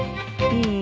うん。